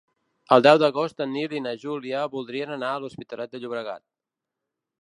El deu d'agost en Nil i na Júlia voldrien anar a l'Hospitalet de Llobregat.